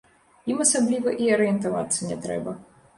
Ім асабліва і арыентавацца не трэба.